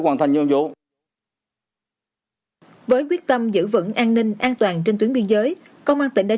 hoàn thành nhiệm vụ với quyết tâm giữ vững an ninh an toàn trên tuyến biên giới công an tỉnh đã